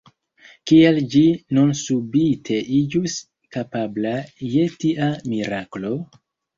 Kiel ĝi nun subite iĝus kapabla je tia miraklo?